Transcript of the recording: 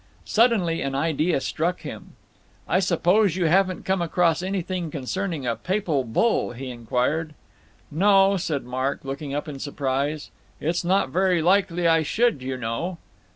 Suddenly an idea struck him. "I suppose you haven't come across anything concerning a Papal Bull?" he inquired. "No," said Mark, looking up in surprise. "It's not very likely I should, you know."